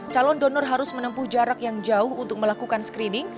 calon donor harus menempuh jarak yang jauh untuk melakukan screening